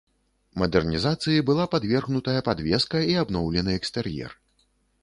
Мадэрнізацыі была падвергнутая падвеска і абноўлены экстэр'ер.